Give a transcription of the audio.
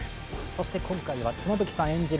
今回は妻夫木さん演じる